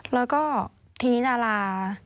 แล้วก็ทีนี้ดารา